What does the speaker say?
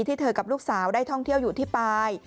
ที่เธอกับลูกสาวได้ท่องเที่ยวอยู่ที่ปลาย